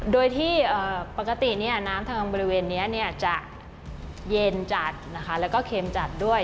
โดยที่ปกติน้ำทางบริเวณนี้จะเย็นจัดนะคะแล้วก็เค็มจัดด้วย